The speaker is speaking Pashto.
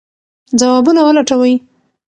ځوابونه ولټوئ.